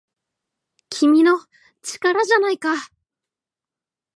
「君の！力じゃないか!!」